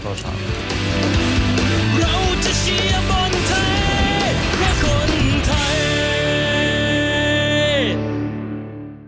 ก็บักกว่าก็ดีแล้ว